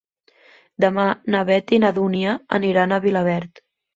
Demà na Beth i na Dúnia aniran a Vilaverd.